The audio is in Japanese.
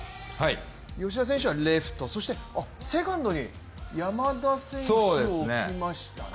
吉田選手はレフト、そして、セカンドに山田選手を置きましたね。